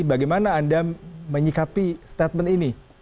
bagaimana anda menyikapi statement ini